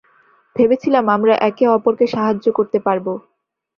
ভেবেছিলাম আমরা একে অপরকে সাহায্য করতে পারব।